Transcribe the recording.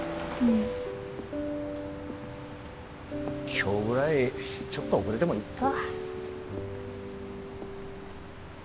今日ぐらいちょっと遅れてもいっか。